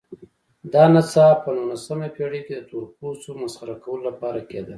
دا نڅا په نولسمه پېړۍ کې د تورپوستو مسخره کولو لپاره کېده.